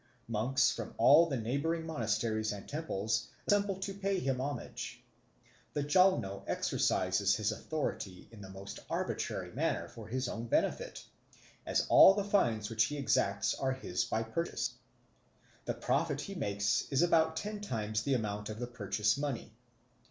Monks from all the neighbouring monasteries and temples assemble to pay him homage. The Jalno exercises his authority in the most arbitrary manner for his own benefit, as all the fines which he exacts are his by purchase. The profit he makes is about ten times the amount of the purchase money.